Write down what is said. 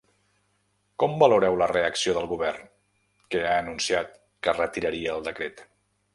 Com valoreu la reacció del govern, que ha anunciat que retiraria el decret?